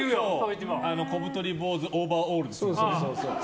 小太り坊主オーバーオール。